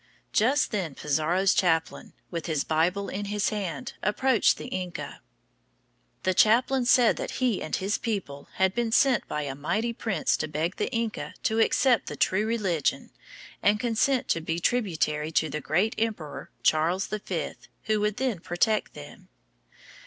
Just then Pizarro's chaplain, with his Bible in his hand, approached the Inca. The chaplain said that he and his people had been sent by a mighty prince to beg the Inca to accept the true religion and consent to be tributary to the great emperor, Charles V., who would then protect them.